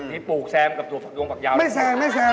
ได้ปลูกแซมกับถูกหลวงผักยาว